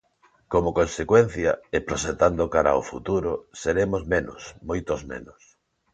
Como consecuencia, e proxectando cara ao futuro, seremos menos, moitos menos.